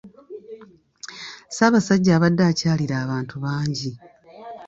Ssaabasajja abadde akyalira bantu bangi.